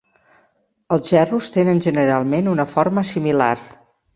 Els gerros tenen generalment una forma similar.